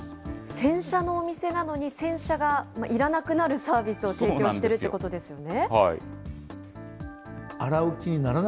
洗車のお店なのに、洗車がいらなくなるサービスを提供してるということですよね。